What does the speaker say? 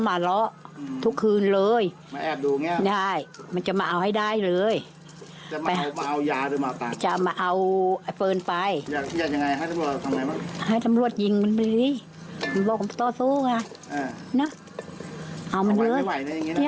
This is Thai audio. มันร่อนนะคืนมันไม่หลับไม่นอนมันมาเหรออยู่อย่างเงี้ย